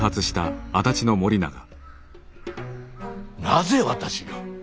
なぜ私が。